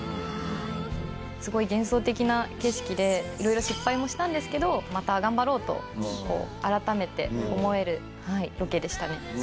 すごい幻想的な景色で色々失敗もしたんですけどまた頑張ろうと改めて思えるロケでしたね。